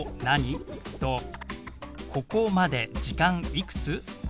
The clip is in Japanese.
「何？」と「ここまで」「時間」「いくつ？」。